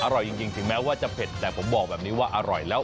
อร่อยจริงถึงแม้ว่าจะเผ็ดแต่ผมบอกแบบนี้ว่าอร่อยแล้ว